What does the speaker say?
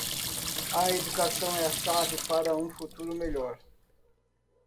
A educação é a chave para um futuro melhor.